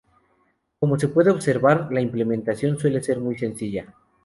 Como se puede observar, la implementación suele ser muy sencilla.